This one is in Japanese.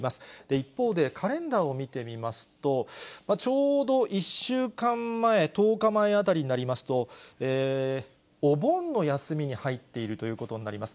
一方でカレンダーを見てみますと、ちょうど１週間前、１０日前あたりになりますと、お盆の休みに入っているということになります。